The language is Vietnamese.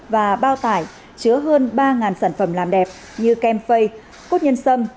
và bao tải chứa hơn ba sản phẩm làm đẹp như kem phây cốt nhân sâm